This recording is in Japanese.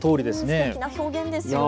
すてきな表現ですね。